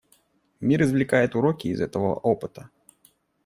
Мир извлекает уроки из этого опыта.